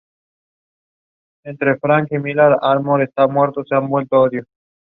The horse is modeled after Old Baldy.